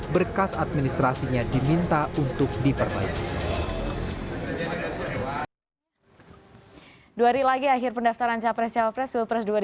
berkas administrasinya diminta untuk diperbaiki